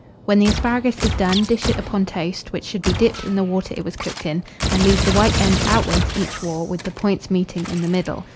When the asparagus is done, dish it upon toast, which should be dipped in the water it was cooked in, and leave the white ends outwards each war, with the points meeting in the middle.